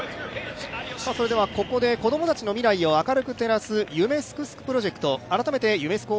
ここで子供たちの未来を明るく照らす夢すくすくプロジェクト、改めて夢すく